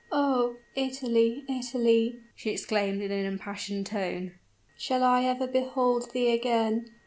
"O Italy! Italy!" she exclaimed in an impassioned tone; "shall I ever behold thee again?